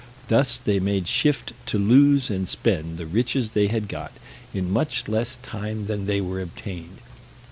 Thus they made shift to lose and spend the riches they had got, in much less time than they were obtained.